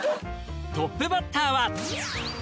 トップバッターは。